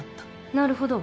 なるほど。